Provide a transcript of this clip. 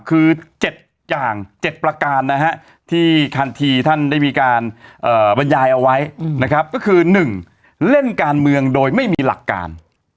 คือ๗อย่าง๗ประการนะฮะที่ทันทีท่านได้มีการบรรยายเอาไว้นะครับก็คือ๑เล่นการเมืองโดยไม่มีหลักการ